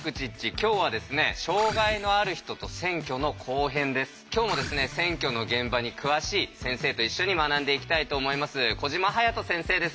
今日もですね選挙の現場に詳しい先生と一緒に学んでいきたいと思います。